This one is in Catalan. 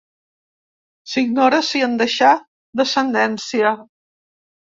S'ignora si en deixà descendència.